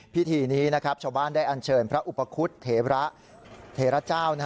พิธีนี้นะครับชาวบ้านได้อันเชิญพระอุปกรุษเทพระเทราเจ้า